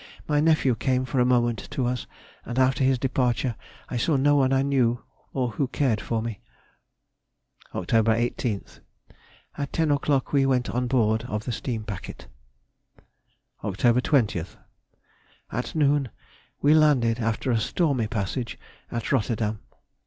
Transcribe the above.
My nephew came for a moment to us, and after his departure I saw no one I knew or who cared for me. Oct. 18th.—At ten o'clock we went on board of the steam packet. Oct. 20th.—At noon we landed after a stormy passage at Rotterdam.